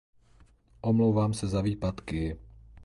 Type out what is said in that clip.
Omlouvám se za výpadky.